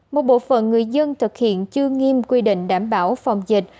một bộ phận người dân thực hiện chưa nghiêm quy định đảm bảo phòng dịch